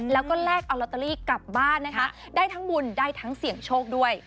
แล้วก็แลกเอาลอตเตอรี่กลับบ้านนะคะได้ทั้งบุญได้ทั้งเสี่ยงโชคด้วย